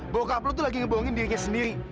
bokap lu tuh lagi ngebohongin dirinya sendiri